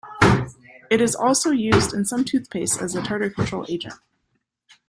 It is also used in some toothpastes as a tartar control agent.